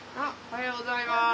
おはようございます。